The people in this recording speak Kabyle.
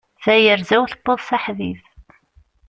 Tayerza-w tewweḍ s aḥdid.